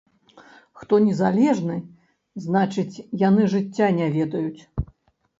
Хто незалежны, значыць, яны жыцця не ведаюць.